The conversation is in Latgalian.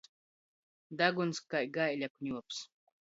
Daguns kai gaiļa kņuobs.